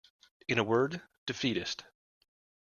In a word, defeatist.